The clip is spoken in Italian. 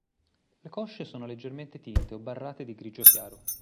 Le cosce sono leggermente tinte o barrate di grigio chiaro.